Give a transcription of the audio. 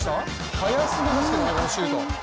速すぎますけどね、このシュート。